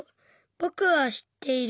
ぼくは知っている。